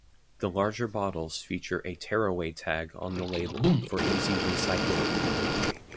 The larger bottles feature a tearaway tag on the label for easy recycling.